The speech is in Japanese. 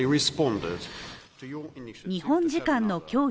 日本時間の今日